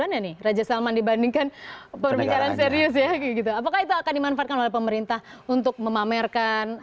apakah itu akan dimanfaatkan oleh pemerintah untuk memamerkan